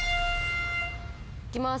行きます。